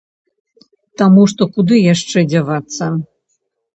Таму што куды яшчэ дзявацца?